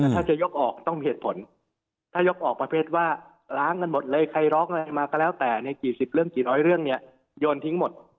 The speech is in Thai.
ถ้าจะยกออกต้องมีเหตุผลถ้ายกออกประเภทว่าล้างกันหมดเลยใครร้องอะไรมาก็แล้วแต่ในกี่สิบเรื่องกี่ร้อยเรื่องเนี่ยโยนทิ้งหมด